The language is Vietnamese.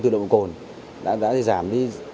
từ nồng độ cồn đã giảm đi